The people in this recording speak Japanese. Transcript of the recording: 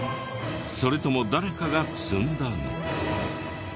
それとも誰かが積んだの？